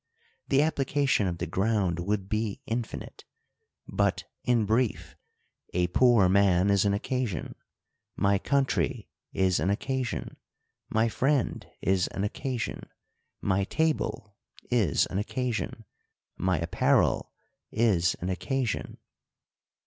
The application of the ground would be infi nite. But, in brief, a poor man is an occasion ; my country is an occasion ; my friend is an occasion ; my table is an occasion ; my apparel is an occasion.